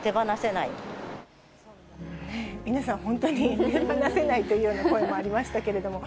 皆さん、本当に手放せないというような声もありましたけれども。